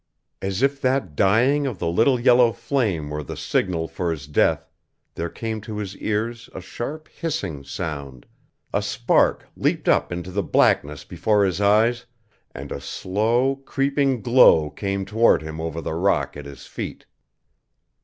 As if that dying of the little yellow flame were the signal for his death, there came to his ears a sharp hissing sound, a spark leaped up into the blackness before his eyes, and a slow, creeping glow came toward him over the rock at his feet.